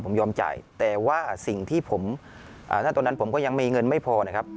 ผมยอมจ่ายแต่ว่าสิ่งที่ผมถ้าตรงนั้นผมก็ยังมีเงินไม่พอนะครับ